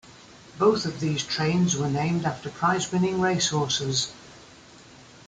Both of these trains were named after prize-winning racehorses.